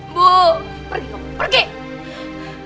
bu pergi dong pergi